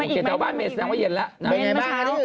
พื้นที่ที่อื่นเป็นยังไงบ้าง